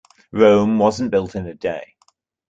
Rome wasn't built in a day.